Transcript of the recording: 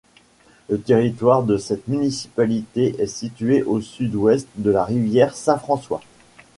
Le territoire de cette municipalité est situé au sud-ouest de la rivière Saint-François.